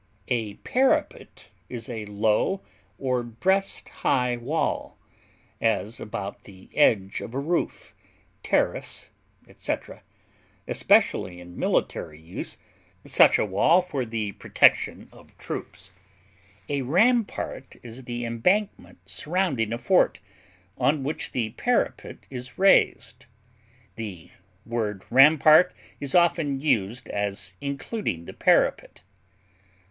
A parapet is a low or breast high wall, as about the edge of a roof, terrace, etc., especially, in military use, such a wall for the protection of troops; a rampart is the embankment surrounding a fort, on which the parapet is raised; the word rampart is often used as including the parapet.